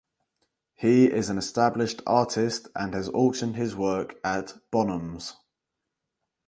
He is an established artist and has auctioned his work at Bonhams.